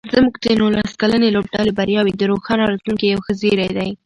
زموږ د نولس کلنې لوبډلې بریاوې د روښانه راتلونکي یو ښه زېری دی.